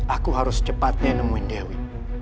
aku harus cepatnya nemuin dewi